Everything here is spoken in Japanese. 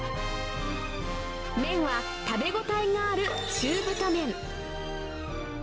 麺は食べ応えがある中太麺。